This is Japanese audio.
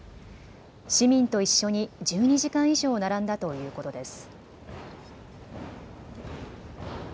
市民と一緒に１２時間以上、並んだということです。